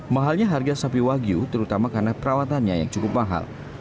mahalnya harga sapi wagyu terutama karena perawatannya yang cukup mahal